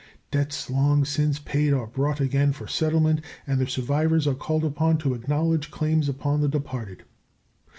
Debts long since paid are brought again for settlement, and the survivors are called upon to acknowledge claims upon the departed.